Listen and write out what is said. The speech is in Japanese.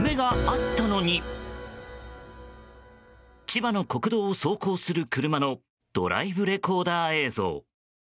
千葉の国道を走行する車のドライブレコーダー映像。